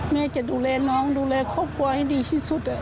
แม่จะดูเรน้องดูแลความปลอดภัยดีที่สุด